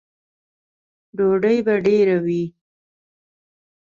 _ډوډۍ به ډېره وي؟